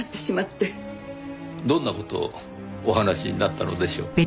どんな事をお話しになったのでしょう？